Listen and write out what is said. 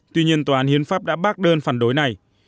tuy nhiên tòa án hiến pháp đã bác đơn phản đối này